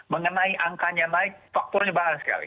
mengenai angkanya naik faktornya banyak sekali